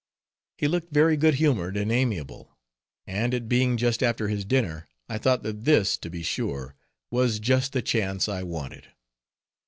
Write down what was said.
He looked very good humored and amiable, and it being just after his dinner, I thought that this, to be sure, was just the chance I wanted.